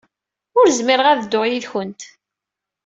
Ur zmireɣ ad dduɣ yid-went.